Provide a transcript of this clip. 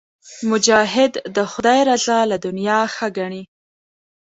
مجاهد د خدای رضا له دنیا ښه ګڼي.